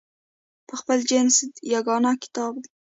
په خپل جنس کې یګانه کتاب دی.